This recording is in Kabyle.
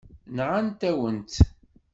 Nɣant-awen-tt.